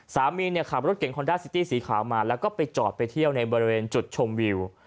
สามีเนี่ยขับรถเก่งคอนด้าซิตี้สีขาวมาแล้วก็ไปจอดไปเที่ยวในบริเวณจุดชมวิว